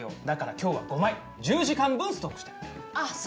だから、きょうは５枚１０時間分ストックしてる。